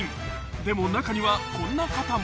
［でも中にはこんな方も］